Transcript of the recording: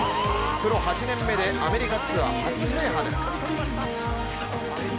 プロ８年目でアメリカツアー初制覇です。